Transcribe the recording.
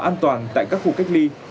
an toàn tại các khu cách ly